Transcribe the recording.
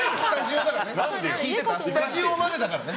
スタジオだからね。